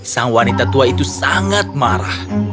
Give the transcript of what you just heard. sang wanita tua itu sangat marah